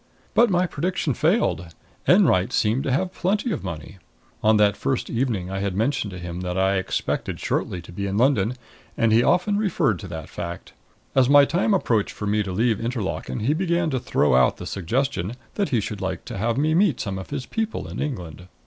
But my prediction failed; Enwright seemed to have plenty of money. On that first evening I had mentioned to him that I expected shortly to be in London, and he often referred to the fact. As the time approached for me to leave Interlaken he began to throw out the suggestion that he should like to have me meet some of his people in England.